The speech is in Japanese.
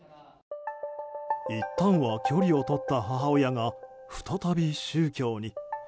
いったんは距離をとった母親が再び宗教に。